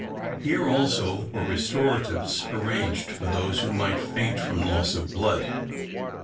Here also were restoratives arranged, for those who might faint from loss of blood.